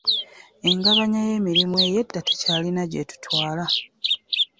Engabanya y'emirimu eyedda tekyalina gyettutwaala.